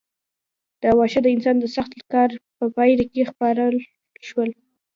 دا واښه د انسان د سخت کار په پایله کې خپاره شول.